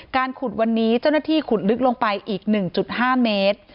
ขุดวันนี้เจ้าหน้าที่ขุดลึกลงไปอีก๑๕เมตร